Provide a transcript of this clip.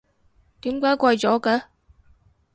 點解貴咗嘅？